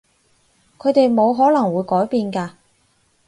佢哋冇可能會改變㗎